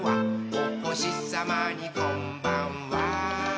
「おほしさまにこんばんは」